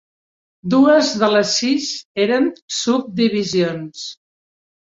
Dues de les sis eren subdivisions.